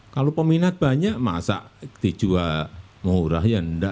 kalau peminat banyak masak dijual murah ya enggak